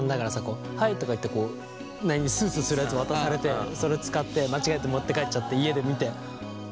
こう「はい」とか言ってススするやつ渡されてそれを使って間違えて持って帰っちゃって家で見て。